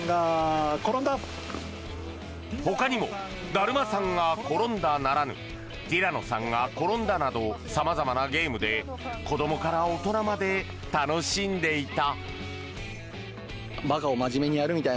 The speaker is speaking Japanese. ほかにもだるまさんが転んだならぬティラノさんがころんだなど様々なゲームで子どもから大人まで楽しんでいた。